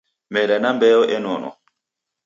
Meda na mbeo enonwa.